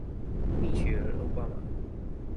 蜜雪兒歐巴馬